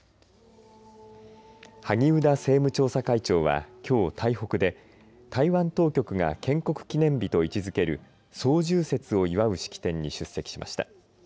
萩生田政務調査会長はきょう、台北で台湾当局が建国記念日と位置づける双十節を祝う式典に出席しました。